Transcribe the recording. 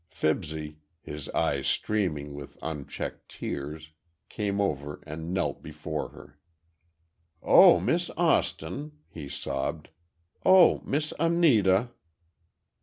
Fibsy, his eyes streaming with unchecked tears, came over and knelt before her. "Oh, Miss Austin!" he sobbed, "Oh, Miss Anita!"